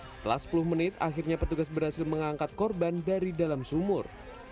setelah sepuluh menit akhirnya petugas berhasil mengangkat korban dari dalam sumur